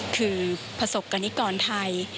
คือประสบกรณิกรไทย